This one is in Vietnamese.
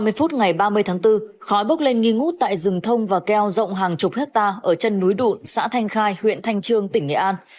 ba mươi phút ngày ba mươi tháng bốn khói bốc lên nghi ngút tại rừng thông và keo rộng hàng chục hectare ở chân núi đụn xã thanh khai huyện thanh trương tỉnh nghệ an